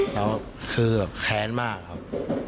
แล้วคือแบบแค้นมากครับ